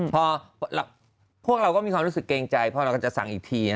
พอพวกเราก็มีความรู้สึกเกรงใจพอเราก็จะสั่งอีกที